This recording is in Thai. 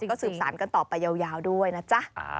ก็สืบสารกันต่อไปยาวด้วยนะจ๊ะ